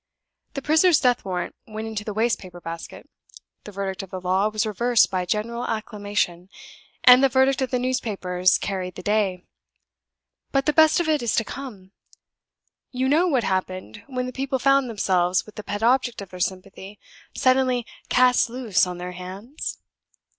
The prisoner's death warrant went into the waste paper basket; the verdict of the law was reversed by general acclamation; and the verdict of the newspapers carried the day. But the best of it is to come. You know what happened when the people found themselves with the pet object of their sympathy suddenly cast loose on their hands?